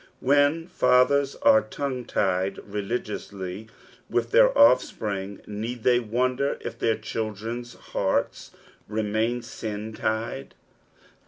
When fathera are tongue tied religiously with their offsprioE, need they wonder if their clilldrcn'a liearts remain sin tied